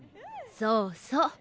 そうそう。